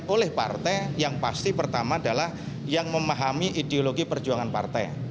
oleh partai yang pasti pertama adalah yang memahami ideologi perjuangan partai